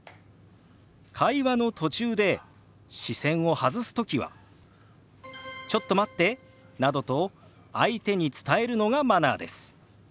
会話の途中で視線を外すときは「ちょっと待って」などと相手に伝えるのがマナーです。